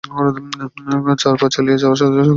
চার পা চালিয়ে যাওয়ার যথেষ্ট কারণ ছিল।